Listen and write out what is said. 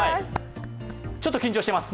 ちょっと緊張してます